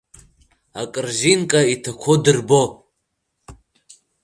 Акарзинка иҭақәоу дырбо.